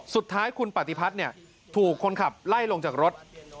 สุดท้ายคุณปฏิพัฒน์ถูกคนขับไล่ลงจากรถ